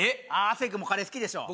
亜生君もカレー好きでしょ